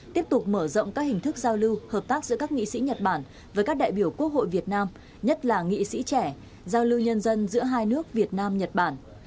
tiếp tục mở rộng các hình thức giao lưu hợp tác giữa các nghị sĩ nhật bản với các đại biểu quốc hội việt nam nhất là nghị sĩ trẻ giao lưu nhân dân giữa hai nước việt nam nhật bản